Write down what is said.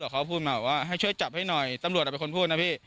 แต่เขาพูดมาบอกว่าให้ช่วยจับให้หน่อยตำรวจเป็นคนพูดนะพี่